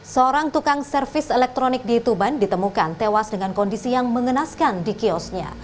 seorang tukang servis elektronik di tuban ditemukan tewas dengan kondisi yang mengenaskan di kiosnya